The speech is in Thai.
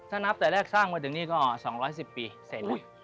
ถ้านับแต่แรกสร้างมาถึงนี่ก็๒๑๐ปีเสร็จเลย